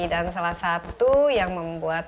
dan salah satu yang membuat